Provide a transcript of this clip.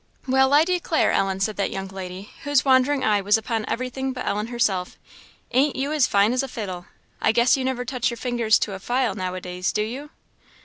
"Well, I declare, Ellen!" said that young lady, whose wandering eye was upon everything but Ellen herself "ain't you as fine as a fiddle! I guess you never touch your fingers to a file now a days do you?"